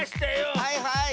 はいはい！